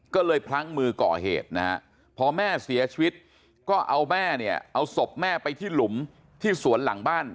ก็เลยพลั้งมือก่อเหตุนะฮะพอแม่เสียชีวิตก็เอาแม่เนี่ยเอาศพแม่ไปที่หลุมที่สวนหลังบ้าน